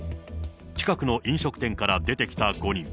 近くの飲食店から出てきた５人。